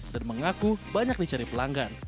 dan mengaku banyak dicari pelanggan